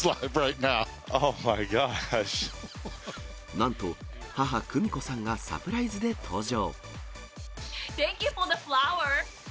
なんと、母、久美子さんがサプライズで登場。